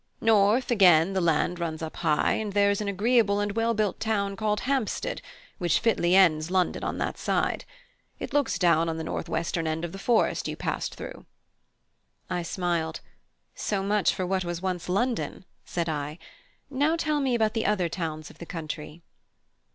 North, again, the land runs up high, and there is an agreeable and well built town called Hampstead, which fitly ends London on that side. It looks down on the north western end of the forest you passed through." I smiled. "So much for what was once London," said I. "Now tell me about the other towns of the country."